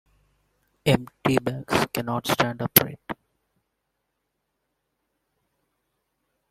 Empty bags cannot stand upright.